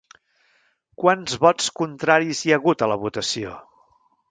Quants vots contraris hi ha hagut a la votació?